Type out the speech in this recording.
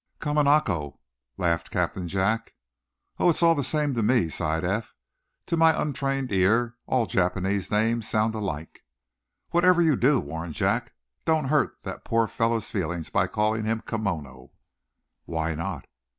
"Kamanako," laughed Captain Jack. "Oh, it's all the same to me," sighed Eph. "To my untrained ear all Japanese names sound alike." "Whatever you do," warned Jack, "don't, hurt the poor fellow's feelings by calling him Kimono." "Why not?"